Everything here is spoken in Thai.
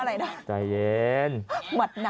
น้องตามมาหน่อยนะน้อง